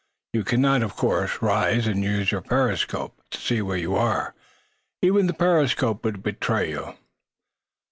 You cannot, of course, rise and use your periscope to see where you are. Even the periscope would betray you."